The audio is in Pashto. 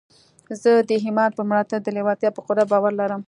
زه د ایمان پر ملاتړ د لېوالتیا پر قدرت باور لرم